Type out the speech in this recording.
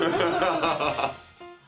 アハハハ！